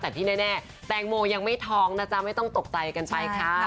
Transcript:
แต่ที่แน่แตงโมยังไม่ท้องนะจ๊ะไม่ต้องตกใจกันไปค่ะ